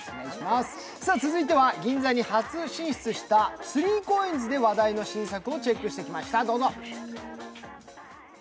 続いては銀座に初進出した３ＣＯＩＮＳの話題のお店をチェックしてきました。